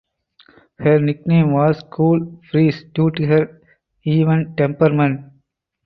Her nickname was "Cool Breeze" due to her even temperament.